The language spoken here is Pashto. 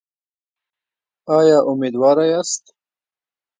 ایا امیدواره یاست؟